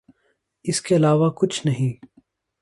اس کے علاوہ کچھ نہیں۔